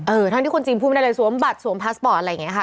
ทั้งที่คนจีนพูดไม่ได้เลยสวมบัตรสวมพาสปอร์ตอะไรอย่างนี้ค่ะ